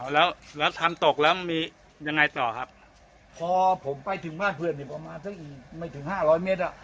แล้วแล้วทำตกแล้วมียังไงต่อครับพอผมไปถึงบ้านเพื่อนนี่ประมาณสักไม่ถึงห้าร้อยเมตรอ่ะ